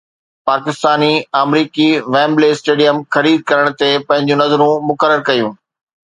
پاڪستاني-آمريڪي Wembley stadium خريد ڪرڻ تي پنهنجون نظرون مقرر ڪيون